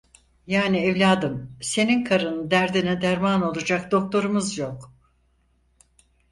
Yani evladım, senin karının derdine derman olacak doktorumuz yok.